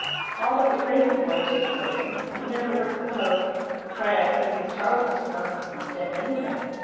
"All but the crazy boy," Jake put in. "He never wears the coat. Krajiek says he's turrible strong and can stand anything.